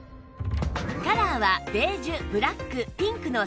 カラーはベージュブラックピンクの３色